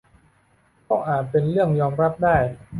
ก็อาจเป็นเรื่องยอมรับได้